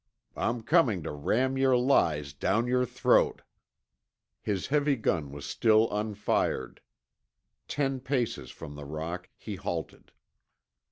I'm coming to ram your lies down your throat!" His heavy gun was still unfired. Ten paces from the rock he halted.